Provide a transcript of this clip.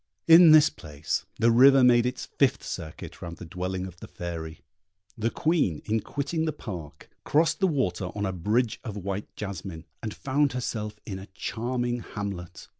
In this place, the river made its fifth circuit round the dwelling of the Fairy. The Queen, in quitting the park, crossed the water on a bridge of white jasmine, and found herself in a charming hamlet.